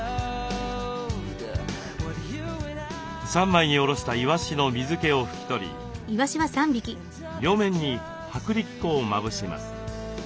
３枚におろしたいわしの水けを拭き取り両面に薄力粉をまぶします。